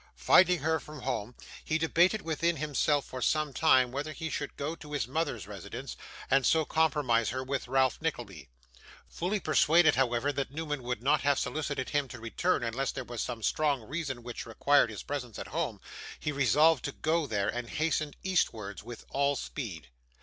Finding her from home, he debated within himself for some time whether he should go to his mother's residence, and so compromise her with Ralph Nickleby. Fully persuaded, however, that Newman would not have solicited him to return unless there was some strong reason which required his presence at home, he resolved to go there, and hastened eastwards with all speed.